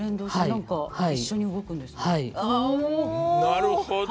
なるほどね。